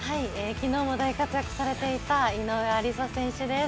昨日も大活躍されていた井上愛里沙選手です。